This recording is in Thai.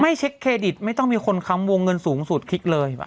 เช็คเครดิตไม่ต้องมีคนค้ำวงเงินสูงสุดคลิกเลย